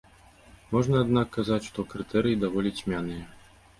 Можна, аднак, казаць, што крытэрыі даволі цьмяныя.